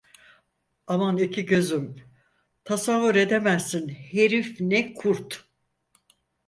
Aman iki gözüm, tasavvur edemezsin herif ne kurt.